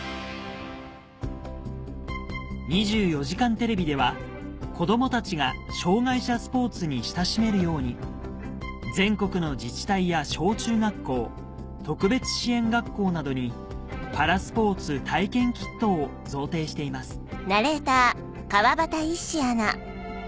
『２４時間テレビ』では子どもたちが障がい者スポーツに親しめるように全国の自治体や小中学校特別支援学校などにパラスポーツ体験キットを贈呈しています